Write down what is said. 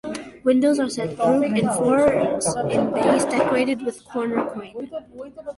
Windows are set group in fours in bays decorated with corner quoining.